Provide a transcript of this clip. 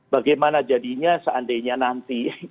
bagaimana jadinya seandainya nanti